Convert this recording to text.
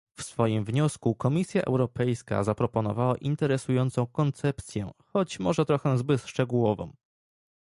W swoim wniosku Komisja Europejska zaproponowała interesującą koncepcję, choć może trochę zbyt szczegółową